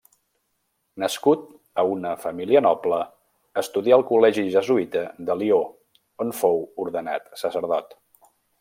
Nascut a una família noble, estudià al col·legi jesuïta de Lió, on fou ordenat sacerdot.